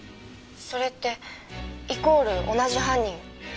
それってイコール同じ犯人？